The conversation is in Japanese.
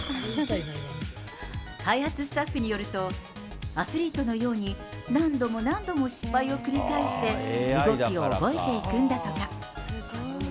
開発スタッフによると、アスリートのように何度も何度も失敗を繰り返して、動きを覚えていくんだとか。